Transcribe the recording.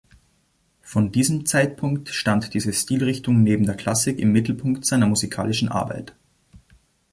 Von diesem Zeitpunkt stand diese Stilrichtung neben der Klassik im Mittelpunkt seiner musikalischen Arbeit.